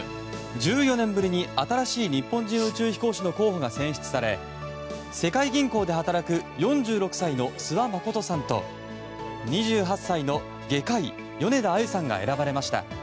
１４年ぶりに新しい日本人宇宙飛行士の候補が選出され世界銀行で働く４６歳の諏訪理さんと２８歳の外科医米田あゆさんが選ばれました。